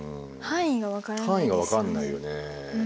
範囲が分かんないよね。